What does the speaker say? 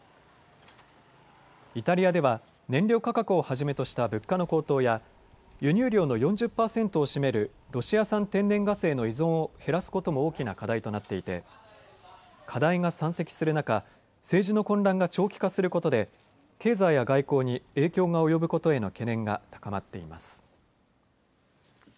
イタリアでは燃料価格をはじめとした物価の高騰や輸入量の４０％を占めるロシア産天然ガスへの依存を減らすことも大きな課題となっていて課題が山積する中、政治の混乱が長期化することで経済や外交に影響が及ぶことへの懸念が高まっています。